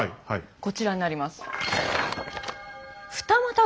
こちらになります。